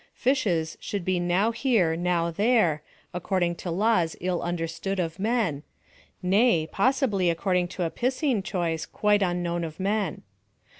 Fishes should be now here now there, according to laws ill understood of men nay, possibly according to a piscine choice quite unknown of men.